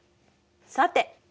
さて！